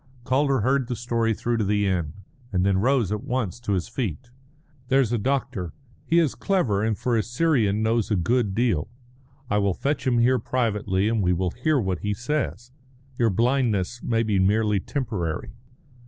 Calder heard the story through to the end, and then rose at once to his feet. "There's a doctor. He is clever, and, for a Syrian, knows a good deal. I will fetch him here privately, and we will hear what he says. Your blindness may be merely temporary."